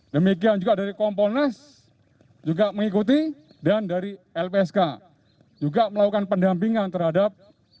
demikian juga dari kompolnas juga mengikuti dan dari lpsk juga melakukan pendampingan terhadap